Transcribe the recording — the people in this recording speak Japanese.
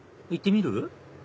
行ってみる？